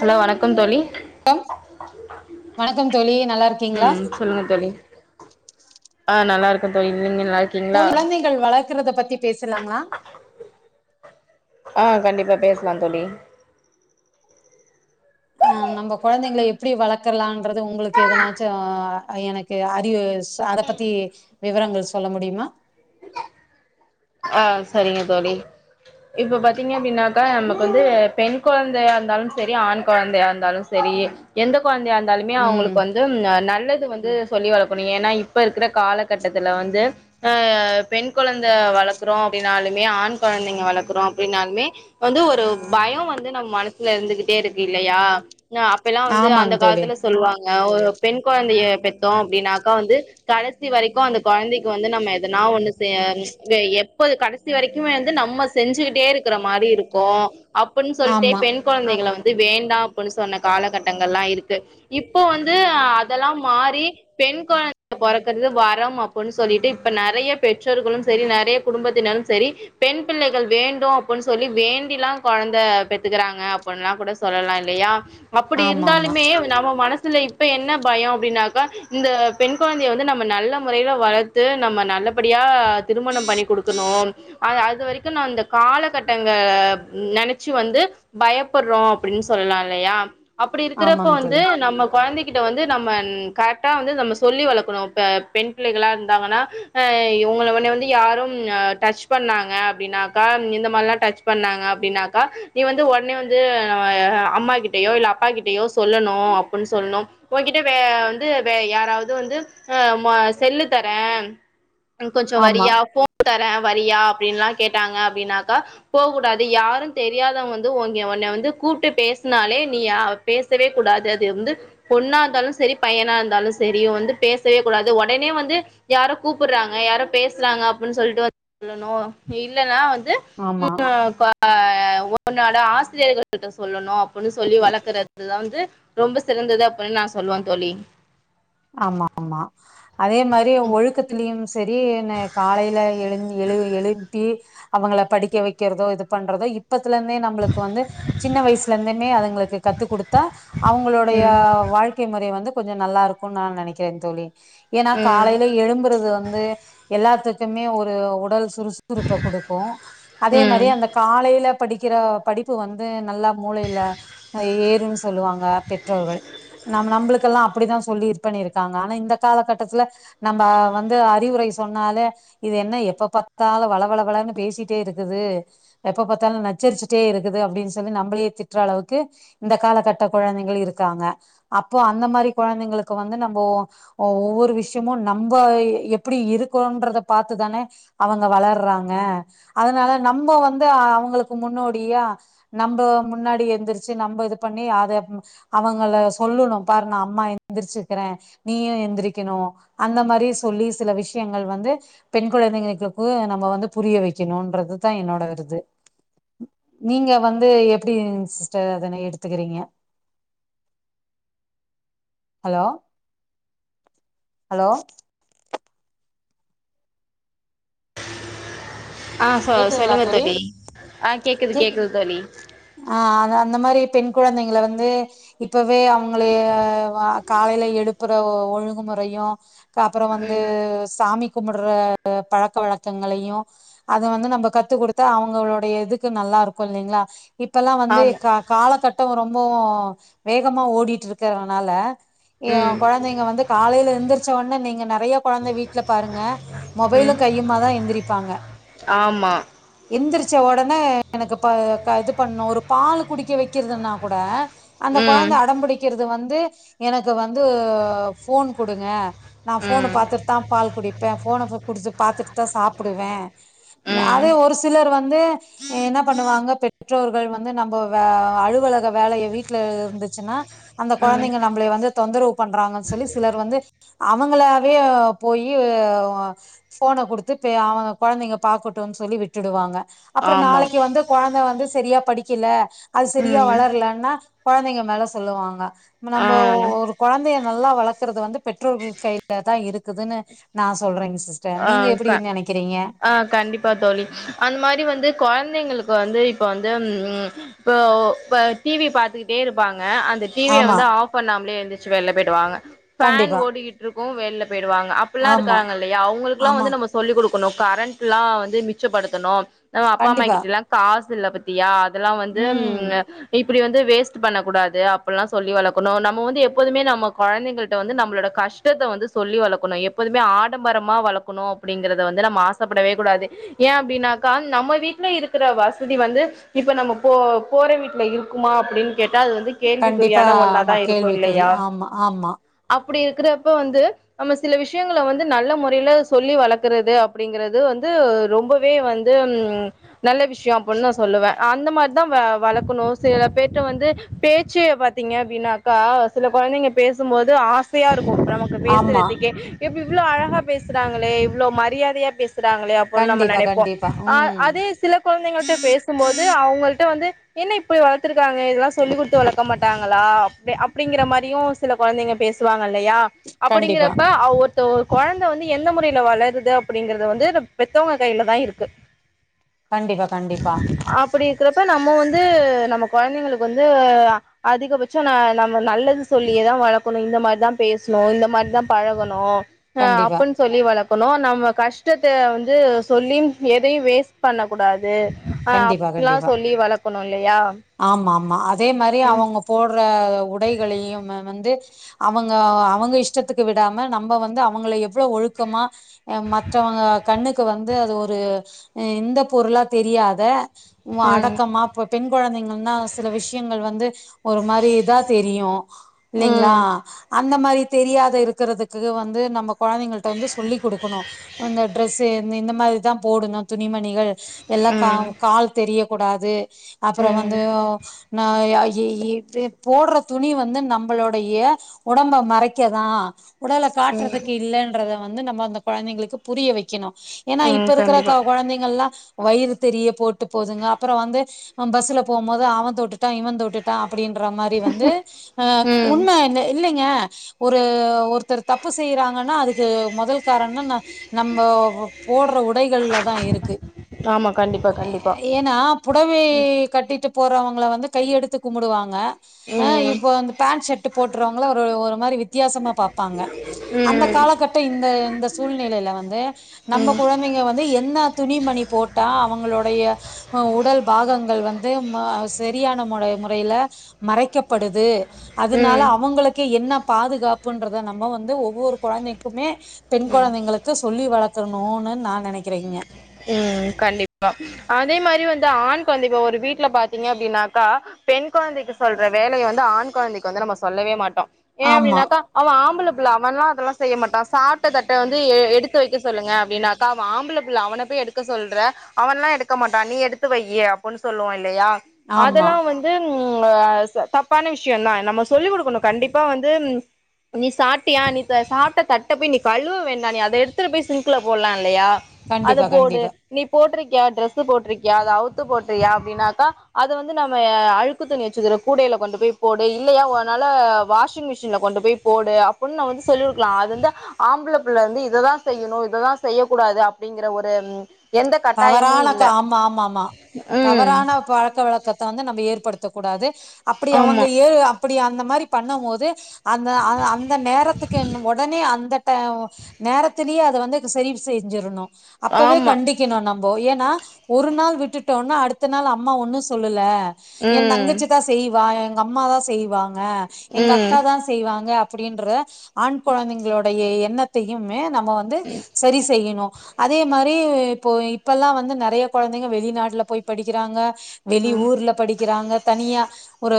hello வணக்கம் தோழி வணக்கம் தோழி நல்லா இருக்கீங்களா ம் சொல்லுங்க தோழி ஆஹ் நல்லா இருக்கோ தோழி நீங்க நல்லா இருக்கீங்களா ருக்கறத பத்தி பேசலாங்களா ஆ கண்டிப்பாக பேசலா தோழி ஆஹ் நம்ம கொழந்தைங்கள எப்டி வளக்கலான்றது உங்களுக்கு எதனாச்சு எனக்கு அறிவு அத பத்தி விவரங்கள் சொல்ல முடியுமா ஆஹ் செரிங்க தோழி இப்ப பாத்தீங்க அப்டின்னாக்கா நமக்கு வந்து பெண் கொழந்தையா இருந்தாலும் செரி ஆண் கொழந்தையா இருந்தாலும் செரி ரி எந்த கொழந்தையா இருந்தாலுமே உம் அவங்களுக்கு வந்து நல்லது வந் து சொல்லி வளக்கணு ஏன்னா இப்ப இருக்கிற காலகட்டத்துல வந்து‌ அ பெண் கொழந்த வளக் க்றோ அப்டின்னாலுமே ஆண் கொழந்தைங்க வளக்றோ அப்டின்னாலுமே வந்து ஒரு பயோ வந்து நம்ம மனசல இரு இருந்துகிட்டே இருக்கு இல்லையா அப்பெல்லா வந்து அந்த ஆமாங்க தோழி காலத்துல சொல்லுவாங்க ஒரு பெண் கொழந்தைய பெத்தோ அப்டின்னாக்கா வந்து கடைசி வரைக்கு அந்த கொழந்தைக்கு வந்து நம்ம எதனா ஒண்ணு செய அ ரிஸ்க்தே எப்போது கடைசி வரைக்குமே வந்து நம்ம செஞ்சுகிட்டே இருக்கற மாறி இருக்கு அப்டின்னு சொல்டே ஆமா பெண் கொழந்தைகள வந்து அது வேண்டா அப்டின்னு சொன்ன காலகட்டங்கள்லா இருக்கு இப்ப வந்து அதெல்லா மாறி பெ பெண் கொழந்தை பொறக்கறது வரம் அப்டின்னு சொல்லிட்டு இப்ப நெறைய பெற்றோர்களு செரி நெறைய குடும்பத்தினரும் செரி பெண் பிள்ளைகள் வேண்டு அப்டின்னு சொல்லி வேண்டில்லா கொழந்த பெத்துக்கறாங்க [unintelligible] கூட சொல்லலா இல்லையா அப்டி ஆமா ஆமா இருந்தாலுமே நம்ம மனசு சுல இப்ப என்ன பயோ அப்டின்னாக்கா இந்த பெண் கொழந்தைய வந்து நம்ம நல்ல முறையில வளத்து நம்ம நல் ல்லபடியா திருமணம் பண்ணி குடுக் க்குணு அது வரைக்கு நா இந்தக் காலகட்டங்க நெனைச்சு வந்து பயப்ப றோ அப்டின்னு சொல்லலா இல்லையா அப்டி இருக்குறப்ப ஆமாங்க வந்து தோழி நம்ம கொழந்தைக் கிட்ட வந்து நம்ம கரெக்டா வந்து நம்ம சொல்லி வளக்கணு பெண் பிள்ளைகளா இருந்தாங்கனா உங்கள உன்னைய வந்து யாரும் ம் டச் பண்ணாங்க அப்டினாக்கா இந்த மாரிலா டச் பண்ணாங்க அப்டினாக்கா நீ வந்து உடனே வந் து அம்மா கிட்டயோ இல்ல அப்பா கிட்டயோ சொல்லணு அப்டின்னு சொல்லணு உங்கிட்ட வே வந்து ட யாராவது வந்து அ மொ செல்லு தரே கொஞ்சோ ஆமா வரியா போன் தரே வரியா அப்டின்லா கேட்டாங்க அப்டின்னாக்கா போ கூடாது யாரு தெரியாதவங்க வந்து உங்க உன்ன வந்து கூப்ட்டு பேசுனாலே நீ பேசவே கூடாது அது வந்து பொண்ணா இருந்தாலு செரி பையனா இருந் தாலு செரி வந்து பேசவே கூடாது உடனே வந்து யாரோ கூப்டுறாங்க யாரோ பேசுறாங்க அப் ப்னு சொல்லிட்டு வந்துறனு இல்லனா வந்து ஆமா ம் உன்னாட ஆசிரியர்கள் கிட்ட சொல்லணு அப்டின்னு சொல்லி வளக்குறதுத வந்து ரொம்ப சிறந்தது அப்டின்னு நா சொல்லுவே தோழி ஆமா ஆமா அதே மாரி ஒழுக்கத்திலேயும் செரி என்ன காலைல எழுந் எழு எழுப்பி அவுங்கள படிக்க வைக்கிறதோ இது பண்றதோ இப் இப்பத்துல இருந்தே நம்முளுக்கு வந்து சின்ன வயசுல இருந்துமே அதுங்குளுக்கு கத்துக் கொடுத்தா அவுங்களுடைய ம் வாழ்க்கை முறை வந்து கொஞ்ஜோ நல்லா இருக்கும் தா நெனைக்கிறேன் தோழி ஏனா ம் காலைல எழும்புறதுலருந்து எல்லாத்துக்குமே ஒரு உடல் சுறுசுறுப்ப குடுக்கும் அதே மாரி ம் அந்த காலைல படிக்கிற படிப்பு வந்து நல்லா மூளையில ஏறுனு‌ சொல்லுவாங்க பெற்றோர்கள் நாம நம்புளுகெல்லாம் அப்டி தான் சொல்லி இது பண்ணிருக்காங்க ஆனா இந்தக் காலகட்டத்தில நம்ம வந்து அறிவுரை சொன்னாலே இது என்ன எப்ப பாத்தாலும் வளவளனு பேசிட்டே இருக்குது எப்ப பாத்தாலும் நச்சரிச்சிட்டே இருக்குது அப்டின்னு சொல்லி நம்பளயே திற்ற அளவுக்கு இந்தக் காலகட்ட குழந்தைகள் இருக்காங்க அப்போ அந்த மாரி கொழந்தைகளுக்கு வந்து நம்போ ஒவ்வொரு விஷயமும் நம்போ எப்டி இருக்கோன்றத பாத்துதானே அவுங்க வளர்றாங்க அதனால நம்ம வந்து அவங்குளுக்கு முன்னோடியா நம்ப முன்னாடி எந்துரிச்சு நம்ப இது பண்ணி அத அவுங்கள சொல்லுணும் பாரு அம்மா எந்திரிச்சுக்ற நீயும் எந்திரிக்கணும் அந்த மாரியே சொல்லி சில விஷயங்கள் வந்து பெண் கொழ ந்தைகளுக்கு நம்ப வந்து புரிய வைக்கணுன்றது தான் என்னோட இது நீங்க வந்து எப்டிங் சிஸ்டர் அதனை எடுத்துக்குறீங்க ஹலோ ஹலோ ஆ சொ சொல்லுங்க தோழி ஆ கேக்குது கேக்குது தோழி ஆ அந்த மாரி பெண் கொழந்தைங்கள்ளருந்தே இப்பவே அவுங்களய காலையில எழுப்புற ஒழுங்குமுறையும் அப்றோ வந்து ம் சாமி கும்புடுற பழக்க வழக்கங்களையும் அத வந்து நம்ப கத்துக் கொடுத்தா அவுங்களுடைய இதுக்கு நல்லா இருக்கும் இல்லிங்களா இப்பெல்லாம் வந்து ஆமா கா காலகட்டம் ரொம்பவும் வேகமா ஓடிட்டு இருக்குறனால ஏ ம் கொழந்தைங்க வந்து காலைல எந்திருச்ச உடனே நீங்கள் நொறையா குழந்தை வீட்ல பாருங்க மொபைல ம் கையுமா தான் எந்திரிப்பாங்க ஆமா எந்திரிச்ச உடனே எனக்கு இப்ப இது பண்ணணும் ஒரு பால் குடிக்க வைக்கிறதுன்னா கூட அந்த ம் கொழந்தை அடம்பிடிக்கிறது வந்து எனக்கு வந்து ஃபோன் குடுங்க நான் ஃபோனு ம் பாத்துட்டு தான் பால் குடிப்பேன் ஃபோன குடுத்து பாத்துட்டு தான் சாப்பிடுவேன் ம் அதே ஒரு சில ர் வந்து என்ன பண்ணுவாங்க பெற்றோர்கள் வந்து நம்போ அலுவலக வேலையை வீட்டு ல இருந்துச்சுன்னா அந்தக் ம் கொழந்தைங்க நம்மளை வந்து தொந்தரவு பண்றாங்க சொல்லி சிலர் வந்து அவ அவுங்களாவே போயி ஃபோன குடுத்து அவேங்க கொழந்தைங்க பாக்கட்டும்னு சொல்லி விட்டுடுவாங்க அப்புறம் ஆமா நாளைக்கு வந்து கொழந்த வந்து சரியா படிக்கல அது சரியா ம் வளரலன்னா கொழந்தைங்க மேல சொல்லுவாங்க ஆ நம்ப ஒரு கொழந்தைய நல்லா வளக்கறது வந்து பெற்றோர்கள் கையில தான் இருக் ருக்குதுன்னு நான் சொல்றேங்க சிஸ்டர் ஆ நீங்க எப்டி க நெனக்கிறீங்க ஆ கண்டிப்பா தோழி அந்த மாதிரி வந்து கொழந்தைங்களுக்கு வந்து இப்ப வந்து இப்ப டி வி பாத்துக்கிட்டே இருப்பாங் க அந்த டி விய ஆமா வந்து ஆஃப் பண்ணாமலே எந்துச்சு வெளில போயிடு வாங்க ஃபான் கண்டிப்பா ஓடிக்கிட்டுருக்கும் வெளில பேய்டுவாங்க அப்டில்லாம் ஆமா இருக்காங்கல்லையா அவங்களுக்குல்லாம் ஆமா வந்து நம்ப சொல்லி குடுக் டுக்கணும் கரண்ட்ல்லாம் வந்து மிச்சப்படுத்தணும் நம்ம அப்பா அம்மா கண்டிப்பா கிட்டல்லாம் காசு இல்ல பாத்தியா இதெல்லாம் வந்து ம் இப் இப்டி வந்து வேஸ்ட் பண்ணக்கூடாது அப்டில்லாம் சொல்லி வளக்கணும் நம்ம வந்து எப்போதுமே நம்ம கொழந்தைகள்ட்ட வந்து நம்மளோட கஷ் ஷ்டத்த வந்து சொல்லி வளக்கணும் எப்போதுமே ஆடம்பரம் மா வளக்கணும் அப்பிடிங்கிறத வந்து நம்ம ஆசப்படவே கூடாது ஏன் அப்பிடினாக்க நம்ம வீட்டுல இருக்கிற வச தி வந்து இப்ப நம்ம போ போற வீட்டுல இருக்குமா அப்பிடின் னு கேட்டா அது வந்து கண்டிப்பா கேள்விக்குறியான ஒன்னா ஆமா தான் இருக்கும் கேள்விக்குறி இல்லையா ஆமா ஆமா அப் ப்பிடி இருக்கிறப்ப வந்து நம்ம சில விஷயங்கள வந்து நல்ல மொற இப்டிலா சொல்லி வளக்குறது அப்பிடிங்கிறது வந்து ரொம்பவே வந்து நல்ல விஷயம் அப்ப டி ன்னு நா சொல்லுவேன் அந்த மாதிரி தா வளக்கணும் சில பேர்ட்ட வந்து பேச்சே பாத்தீங்க அப்பிடின்னாக்கா கா சில கொழந்தைங்க பேசும்போது ஆசையா இருக்கும் நமக்கு ஆமா பேசுறதுக்கே இவ்ளோ அழகா பேசுறாங்களே இவ்ளோ மரியாதையா பேசு றாங்களே அப்டின்னு நம்ம கண்டிப்பா நெனப்போம் கண்டிப்பா ம் அதே சில கொழந்தைங்கள்ட்ட பேசும்போது அவங்கள்ட்ட வந்து என்ன இப்பிடி வளத்திருக்காங்க இதெல்லாம் சொல்லிக் குடுத்து வளக்க மாட்டாங்களா அப்பிடிங்கிற மாதிரியும் சில கொழந்தைங்க பேசுவாங்க இல்லையா கண்டிப்பா அப்படிங்கிறப்ப அவ ஒத்த ஒரு கொழந்த ந்ந வந்து எந்த முறையில வளருது அப்படிங்கிறது வந்து பெத்தவுங்க கையில தான் இருக்கு கண்டிப்பா கண்டிப்பா அப்டி இருக்கிறப்ப நம்ம வந்து நம்ம கொழந்தைங்களுக்கு வந்து அதிகபட்சம் ந நம்ம நல்லது சொல்லியேதான் வளக்கணும் இந்த மாதிரி தான் பேச் பேசனு இந்த மாதிரி தான் பழகணு கண்டிப்பா அப்பிடின்னு சொல்லி வளக் க்கனும் நம்ம கஷ்டத்த வந்து சொல்லி எதையும் வேஸ்ட் பண்ணக்கூடாது அஹ் கண்டிப்பா அப்டில்லா கண்டிப்பா சொல்லி வளக்கணும் இல்லையா ஆமா ஆமா அதே மாதிரி ம் அவுங்க போட்ற உடைகளையுமே வந்து அவுங்க அவுங்க இஷ்டத்துக்கு விடாம நம்ப வந்து அவுங்கள எவ்ளோ ஒழுக்கமா அ மத்தவங்க கண்ணுக்கு வந்து அது ஒரு இந்த பொருளா தெரியாத ம் அடக்கமா பொ பெண் கொழந்தைங்கன்னா சில விஷயங்கள் வந்து ஒரு மாரி இதா தெரியும் க்கும் இல்லைங்களா ம் அந்த மாரி தெரியாத இருக்கிறதுக்கு வந்து நம்ம கொழந்தைங்கள்ட்ட வந்து சொல்லி் குடுக்கணும் இந்த ட்ரெஸ்ஸு இந்த மாரிதான் போடணும் துணிமணிகள் எல்லாம் ம் கா தெரியக் கூடாது அப்புறம் வந்து ம் நா ய இய் ஹ போடுற துணி வந்து நம்மளுடைய உடம்ப மறைக்கதான் உடலக் ம் காட்டுறதுக்கு இல்லைன்றத வந்து நம்ம அந்த கொழந்தைங்களுக்குப் புரிய வைக்கணும் ஏன்னா இப்ப ம் இருக்கிற கண்டிப்பா க கொழந்தைங்கள் எல்லாம் வயிறு தெரியு போட்டு போதுங்க அப்புறம் வந்து பஸ்ல போகும் போது அவன் தொட்டுட்டான் இவன் தொட்டுட்டான் அப்பிடின்ற மாதிரி வந்து அ ம் உண்ம இ இல்லங்க ஒரு ஒரு ஒருத்தர் தப்பு செய்றாங்கன்னா அதுக்கு மொதல் காரண நம்ம போடுற உடைகள்லதான் இருக்கு ஆமா கண்டிப்பா கண்டிப்பா ஏன்னா புடவை கட்டிட்டு போறவுங் கள வந்து கையெடுத்து கும்பிடுவாங்க அ ம் இப்ப வ பேண்ட் ஷர்ட் போட்டுறவுங்கள ஒரு மாதிரி வித்தியாச மா பாப்பாங்க அந்த ம் காலகட்ட இந்த இந்த சூழ்நிலையில வந்து நம்ம ம் கொழந்தைங்க வந்து என்ன துணிமணி போட்டா அவுங்களுடைய அ உடல் பாகங்கள் வந்து அ சரியான முற முறையில மறைக்கப்படுது அதனால ம் அவுங்களுக்கு என்ன பாதுகாப்புன்றத நம்ம வந்து ஒவ்வொரு கொழந்தைக்குமே பெண் கொழந்தைங்களுக்கு சொல்லி வளக் கனூன்னு நா நெனக்கிறேங்க உம் கண்டிப்பா அதே மாரி வந்து ஆண் கொழந்த இப்ப ஒரு வீட்ல பாத்தீங்க அப்டினாக்கா பெண் கொழந்தைக்கு சொல்ற வேலைய வந்து ஆண் கொழந்தைக்கு வந்து நம்ம சொல்லவே மாட்டோ ஏன் ஆமா அப்டினாக்கா அவே ஆம்பள புள்ள அவன்லா அதெல்லா செய்ய மாட்டான் சாப்ட்ட தட்ட வந்து எ எடுத்து வைக்க சொல்லுங்க அப்டினாக்க அவே ஆம்பள பிள்ள அவன போய் எடுக்க சொல்றே அவன்லா எடுக்க மாட்டா நீ எடுத்து வையி அப்டின்னு சொல்லுவோ இல்லையா ஆமா அதெல்லா வந்து உம் அஹ் ச தப்பான விஷயம் தா நம்ம சொல்லிக் கொடுக்கணு கண்டிப்பா வந்து நீ சாப்ட்டியா நீ சாப்ட தட்ட போய் நீ கழுவ வேண்டாம் நீ அத எடுத்துட்டு போய் சிங்க்கல போடலால இல்லையா அது கண்டிப்பா போடு கண்டிப்பா நீ போட்ரு கியா டிரெஸ்ஸூ போட்டிருக்கியா அத அவுத்து போட்டிருக்கியா அப்டினாக்கா அது வந்து நம்ம அழுக்கு துணி வச்சுக்கிற கூடையி ல கொண்டு போய் போடு இல்லையா உன்னால வாஷிங் மிஷின்ல கொண்டு போய் போடு அப்டின்னு நம்ம வந்து சொல்லி குடுக்கலா அது வந்து ஆம்பளப்புள்ள வந்து இதுதா செய்யணு இதுதா செய்யக்கூடாது அப்டிங்கிற ஒரு எந்த கட்டாயமு தவறானாக்க இல்ல ஆமா ஆமா ஆமா ம் தவறான பழக்க வழக்கத்த வந்து நம்ம ஏற்படுத் த்தக் கூடாது அப்டி அவுங்க ஆமா ஏ அப்டி அந்த மாரி பண்ணும் போது அந்த அது அந்த நேரத்துக்கு என்னு உடனே அந்த த நேரத்திலயே அத வந்து சரி செஞ்சிறணு அப்பவே ஆமா கண்டிப் நம்போ ஏன்னா ஒரு நாள் விட்டுட்டோன்னா அடுத்த நாள் அம்மா ஒன்னு சொல்லல என் ம் தங்கச்சி தா செய்வா எங்க அம்மா தா செய்வாங்க எங்க ம் அக்கா தா செய்வாங்க அப் அப்டின்ற ஆண் கொழந்தைங்களுடைய எண்ணத்தையுமே நம்ம வந்து சரி செய்யணு அதே மாரி இப்போ இப்பெல்லா வந்து நெறைய கொழந்தைங்க வெளிநாட்ல போய் படிக்கிறாங்க வெளி ஊர்ல படிக்கிறாங்க தனியா ஒரு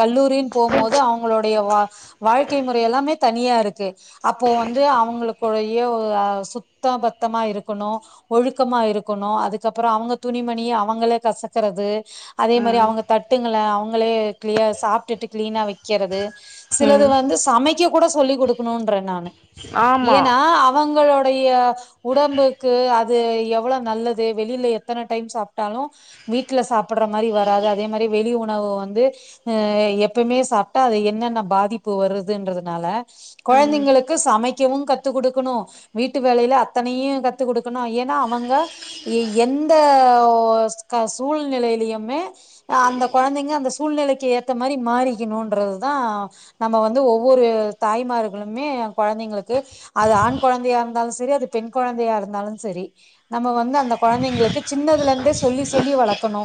கல்லூரின்னு போம்மோது அவங்களுடைய வா வாழ்க்கை முறை எல்லாமே தனியா இருக்கு அப்போ வந்து அவங்களுக்குடையே அ சுத்த பத்தமா இருக்கணு ஒழுக்கமா இருக்கணு அதுக்கப்புறோ அவங்க துணிமணி அவங்களே கசக்கறது அதே மாரி ம் அவங்க தட்டுங்கள அவங்களே கிளிய சாப்ட்டுட்டு கிளீனா வக்கிறது சிலது ம் வந்து சமைக்கக் கூட சொல்லிக் கொடுக்கணுன்றே நானு ஆமா ஏன்னா அவங்களோ டைய உடம்புக்கு அத் து எவ்ள நல்லது வெளில எத்தன டைம் சாப்ட்டாலு வீட்ல சாப் படுற மாரி வராது அதே மாரி வெளி ஒன் உணவு வந்து அ எப்பவுமே சாப்ட்டா அது என்னென்ன பாதிப்பு வருதுன்றதுனால ம் குழந்தைங்களுக்கு சமைக்கவு கத்துக்குடுக்கணு வீட்டு வேலையில அத்தனையு கத்து கொடுத் கனு ஏன்னா அவங்க எ எந்த ஒ க சூழ்நிலையிலயுமே அ அந்த கொழந்தைங்க அந்த சூழ்நிலைக் ஏத்த மாரி மாறிக்கணுன்றதுதா நம்ம வந்து ஒவ்வொரு தாய்மார்களுமே கொழந் தைங்களுக்கு அது ஆண் கொழந்தையா இருந்தாலு சரி அது பெண் குழந்தையா இருந்தாலு சரி நம்ம வந்து அந்த குழந்தைங்களுக்கு சின்னதுல இருந்தே சொல்லி சொல்லி வளக்கணு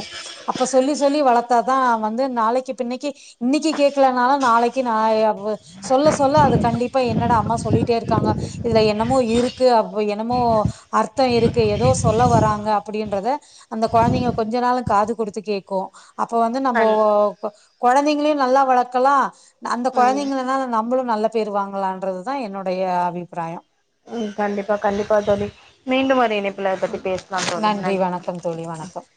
அப்ப சொல்லி சொல்லி வளத்தா தா வந்து நாளைக்கு பின்னைக்கு இன்னைக்கு கேட்க லனாலு நாளைக்கு நா அவ் சொல்ல சொல்ல அது கண்டிப்பா என்னடா அம்மா சொல்லிட்டே இருக்காங்க இதுல என் என்னமோ இருக்கு அப்ப என்னமோ அர்த்தோ இருக்கு எதோ சொல்ல வராங்க அப்டின்றத அந்த கொழந்தைங்க கொஞ்சனாலு காது குடுத்து கேட்கு அப்ப வந்து நம்ம கண் ஒ கொழந்தைங்களையு நல்லா வளக்கலா அந்த ம் கொழந்தைங்கள்னால நம்மளு நல்ல பேரு வாங்களான்றது தா என்னுடைய அபிப்பிராயோ ம் கண்டிப்பா கண்டிப்பா தோழி மீண்டும் ஒரு இணைப் நன்றி வணக்கம் தோழி வணக்கம்